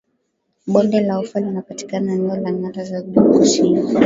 bonde la ufa linapatikana eneo la nyanda za juu kusini